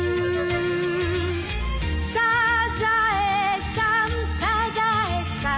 「サザエさんサザエさん」